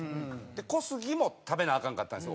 で小杉も食べなアカンかったんです。